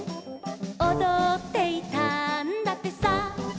「おどっていたんだってさ」